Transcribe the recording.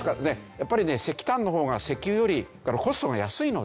やっぱり石炭の方が石油よりコストが安いので。